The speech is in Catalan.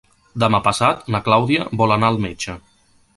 Demà passat na Clàudia vol anar al metge.